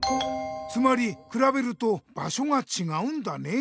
つまりくらべるとばしょがちがうんだね。